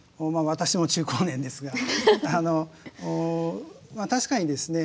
私も中高年ですがあの確かにですね